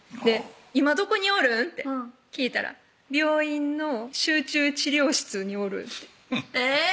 「今どこにおるん？」って聞いたら「病院の集中治療室におる」ってえぇ！